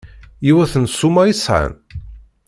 Yiwet n ssuma i sɛan?